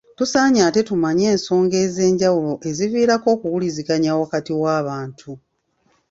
Tusaanye ate tumanye ensonga ez’enjawulo eziviirako okuwuliziganya wakati w’abantu.